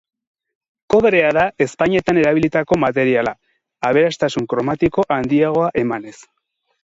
Kobrea da ezpainetan erabilitako materiala, aberastasun kromatiko handiagoa emanez.